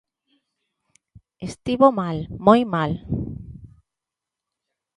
Estivo mal, moi mal.